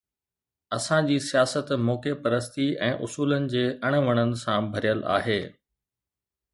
اسان جي سياست موقعي پرستي ۽ اصولن جي اڻهوند سان ڀريل آهي.